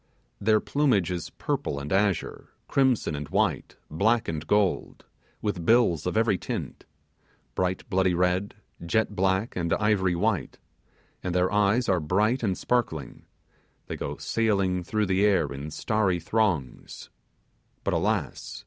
Their plumage is purple and azure, crimson and white, black and gold; with bills of every tint: bright bloody red, jet black, and ivory white, and their eyes are bright and sparkling; they go sailing through the air in starry throngs; but, alas!